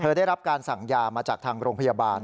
ได้รับการสั่งยามาจากทางโรงพยาบาล